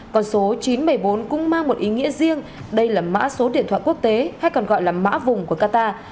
còn số chín trăm bảy mươi bốn cũng mang một ý nghĩa riêng đây là mã số điện thoại quốc tế hay còn gọi là mã vùng của qatar